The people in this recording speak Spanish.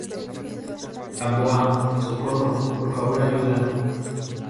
¡ Gamboa! ¡ socorro! ¡ por favor, ayuda!